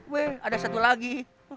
weh ada satu lagi